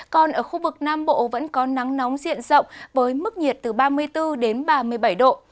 còn ở khu vực nam bộ vẫn có nắng nóng diện rộng với mức nhiệt từ ba mươi bốn đến ba mươi bảy độ